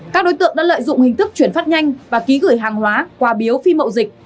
các đối tượng đã lợi dụng hình thức chuyển phát nhanh và ký gửi hàng hóa qua biếu phi mậu dịch